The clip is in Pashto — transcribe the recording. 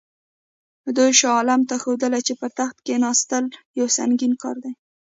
دوی شاه عالم ته ښودله چې پر تخت کښېنستل یو سنګین کار دی.